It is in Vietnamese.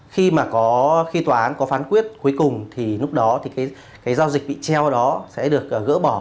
khi mà có khi tòa án có phán quyết cuối cùng thì lúc đó thì cái giao dịch bị treo đó sẽ được gỡ bỏ